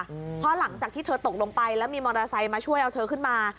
เพราะหลังจากที่เธอตกลงไปแล้วมีมอเตอร์ไซค์มาช่วยเอาเธอขึ้นมา